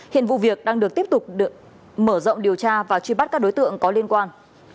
hiện vụ việc đang được tiếp tục mở rộng điều tra và truy bắt các đối tượng có liên quan